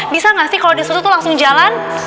bisa gak sih kalo disuruh tuh langsung jalan